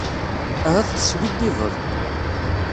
Ahat teskiddibeḍ.